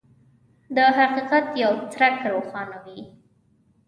د حقیقت یو څرک روښانوي.